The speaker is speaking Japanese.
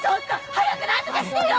早く何とかしてよ！